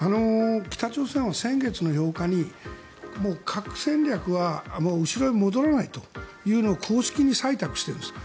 北朝鮮は先月８日に核戦略は後ろへ戻らないというのを公式に採択しているんです。